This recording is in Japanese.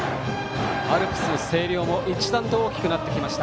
アルプスの声量も一段と大きくなりました。